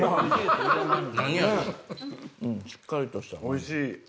おいしい。